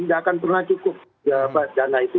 tidak akan pernah cukup dana itu